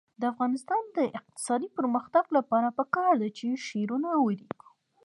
د افغانستان د اقتصادي پرمختګ لپاره پکار ده چې شعرونه ولیکو.